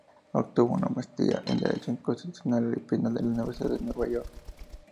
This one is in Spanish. Obtuvo una Maestría en Derecho constitucional y penal de la Universidad de Nueva York.